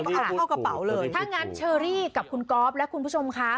ใช่ค่ะถ้างั้นเชอรี่กับคุณก๊อฟและคุณผู้ชมค่ะ